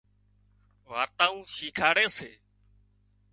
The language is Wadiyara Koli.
وارتائون شيکاڙي سي